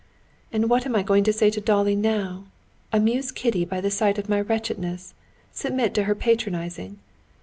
"And what am I going to say to Dolly now? Amuse Kitty by the sight of my wretchedness, submit to her patronizing?